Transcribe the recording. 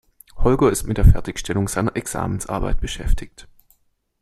Holger ist mit der Fertigstellung seiner Examensarbeit beschäftigt.